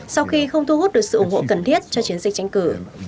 sau khi không thu hút được sự ủng hộ cần thiết cho chiến dịch tranh cử